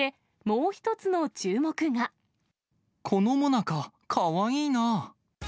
このもなか、かわいいな。